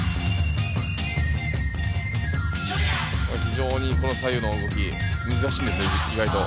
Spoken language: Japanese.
非常に、この左右の動き難しいんですよ意外と。